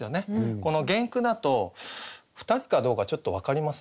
この原句だと２人かどうかちょっと分かりませんよね。